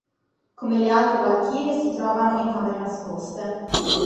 Come le altre valchirie si trovano in camere nascoste.